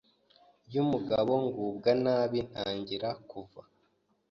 y’uwo mugabo ngubwa nabi ntangira kuva